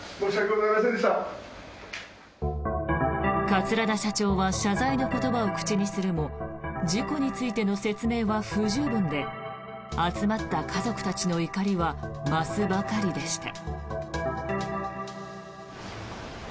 桂田社長は謝罪の言葉を口にするも事故についての説明は不十分で集まった家族たちの怒りは増すばかりでした。